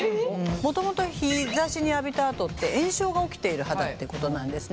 もともと日ざしに浴びたあとって炎症が起きている肌ってことなんですね。